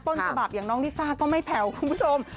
ต้นฉบับอย่างน้องลิซ่าก็ไม่แผ่วคุณผู้ชม